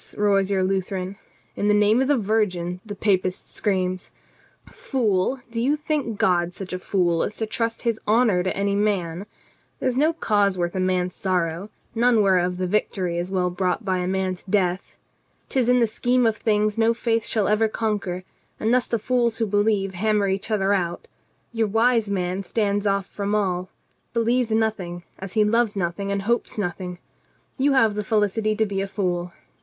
roars your Lu theran. 'In the name of the Virgin !' the Papist screams. Fool, do you think God such a fool as to trust His honor to any man ? There is no cause worth a man's sorrow, none whereof the victory is. well bought by a man's death. 'Tis in the scheme of things no faith shall ever conquer, and thus the fools who believe hammer each other out. Your wise man stands off from all, believes nothing, as he loves nothing and hopes nothing. You have the felicity to be a fool.